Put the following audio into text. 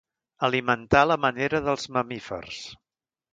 Alimentar a la manera dels mamífers.